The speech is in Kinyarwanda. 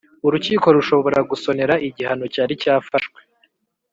Urukiko rushobora gusonera igihano cyari cyafashwe